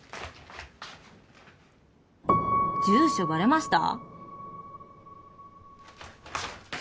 「住所バレました」？